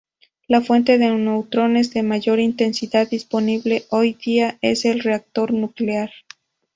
La fuente de neutrones de mayor intensidad disponible hoy día es el reactor nuclear.